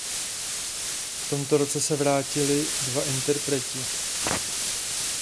V tomto roce se vrátili dva interpreti.